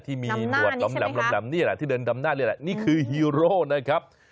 ดำหน้านี่ใช่ไหมครับนี่แหละที่เดินดำหน้านี่แหละนี่คือฮีโร่นะครับ